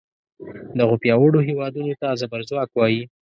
دغو پیاوړو هیوادونو ته زبر ځواک وایي.